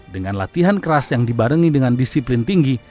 dengan latihan keras yang dibarengi dengan disiplin tinggi